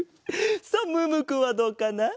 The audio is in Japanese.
さあムームーくんはどうかな？